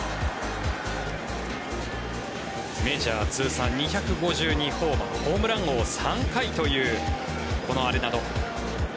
メジャー通算２５２ホーマーホームラン王、３回というこのアレナド。